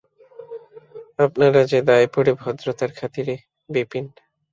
আপনারা যে দায়ে পড়ে ভদ্রতার খাতিরে– বিপিন।